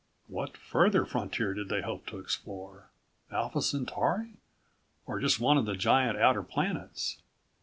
(What further frontier did they hope to explore ... Alpha Centauri or just one of the giant outer planets?)